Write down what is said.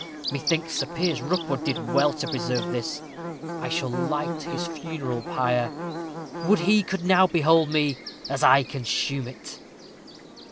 Methinks Sir Piers Rookwood did well to preserve this. It shall light his funeral pyre. Would he could now behold me, as I consume it!"